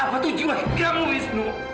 apa tujuan kamu wisnu